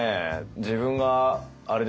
自分があれですね